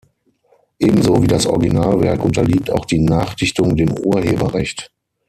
Ebenso wie das Originalwerk unterliegt auch die Nachdichtung dem Urheberrecht.